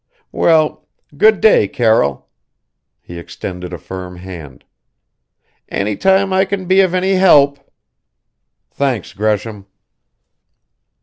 Well, good day, Carroll." He extended a firm hand. "Any time I can be of any help " "Thanks, Gresham."